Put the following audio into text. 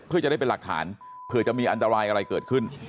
เพื่อจะได้เป็นหลักฐานเผื่อจะมีอันตรายอะไรเกิดขึ้น